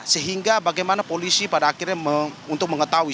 sehingga bagaimana polisi pada akhirnya untuk mengetahui